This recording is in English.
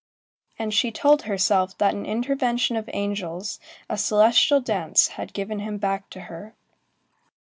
And she told herself that an intervention of the angels, a celestial chance, had given him back to her.